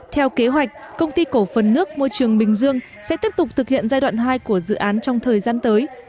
theo kế hoạch công ty cổ phần nước môi trường bình dương sẽ tiếp tục thực hiện giai đoạn hai của dự án trong thời gian tới